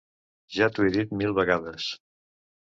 Ja t'ho he dit mil vegades!